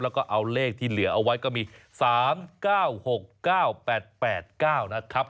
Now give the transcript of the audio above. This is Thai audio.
แล้วก็เอาเลขที่เหลือเอาไว้ก็มี๓๙๖๙๘๘๙นะครับ